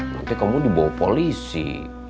nanti kamu dibawa polisi